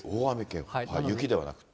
雪ではなくって。